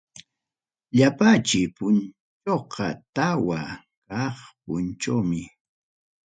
Illapachay punchawqa tawa kaq punchawmi.